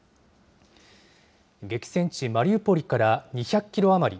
激戦地マリウポリから２００キロ余り。